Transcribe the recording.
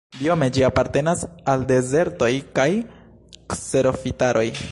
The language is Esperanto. Biome ĝi apartenas al dezertoj kaj kserofitaroj.